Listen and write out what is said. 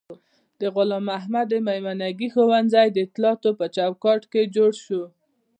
غلام محمد میمنګي ښوونځی د اطلاعاتو په چوکاټ کې جوړ شو.